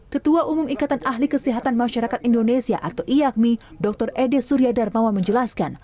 ketua umum ikatan ahli kesehatan masyarakat indonesia atau iakmi dr ede surya darmawa menjelaskan